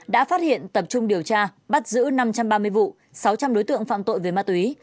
đã phát hiện tập trung điều tra bắt giữ năm trăm ba mươi vụ sáu trăm linh đối tượng phạm tội về ma túy